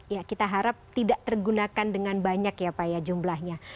ya kita harap tidak tergunakan dengan banyak ya pak ya jumlahnya